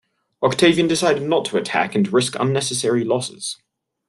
Octavian decided not to attack and risk unnecessary losses.